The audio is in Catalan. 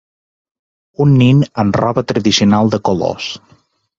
Un nen amb roba tradicional de colors